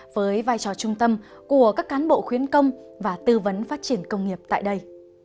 với vai trò trung tâm của các cán bộ khuyến công và tư vấn phát triển công nghiệp tại đây